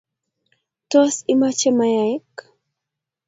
Tos, imache mayaik?